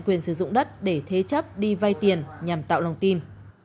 quyền sử dụng đất để thế chấp đi vay tiền nhằm tạo lòng tin